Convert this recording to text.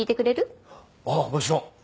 ああもちろん。